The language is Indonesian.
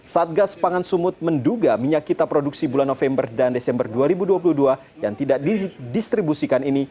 satgas pangan sumut menduga minyak kita produksi bulan november dan desember dua ribu dua puluh dua yang tidak didistribusikan ini